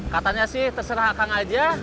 katanya sih terserah akan aja